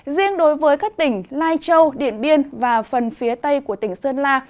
riêng đối với các tỉnh lai châu điện biên và phần phía tây của tỉnh sơn la